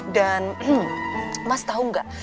dan mas tau gak